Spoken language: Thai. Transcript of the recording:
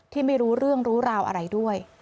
ไม่รู้เรื่องรู้ราวอะไรด้วย